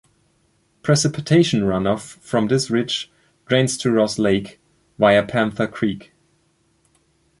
Precipitation runoff from this ridge drains to Ross Lake via Panther Creek.